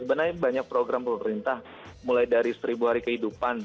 sebenarnya banyak program pemerintah mulai dari seribu hari kehidupan